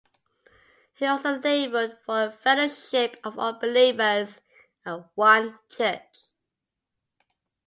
He also labored for a fellowship of all believers and one church.